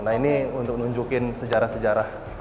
nah ini untuk nunjukin sejarah sejarah